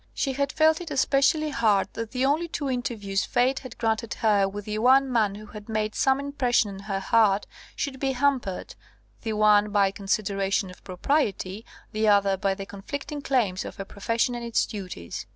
She had felt it especially hard that the only two interviews fate had granted her with the one man who had made some impression on her heart should be hampered, the one by considerations of propriety, the other by the conflicting claims of her profession and its duties.